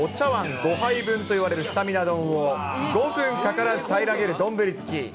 お茶わん５杯分といわれるスタミナ丼を、５分かからず平らげる丼好き。